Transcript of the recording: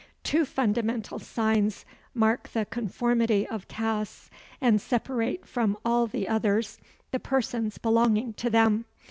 Two fundamental signs mark the conformity of castes, and separate from all the others the persons belonging to them.